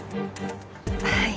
はい。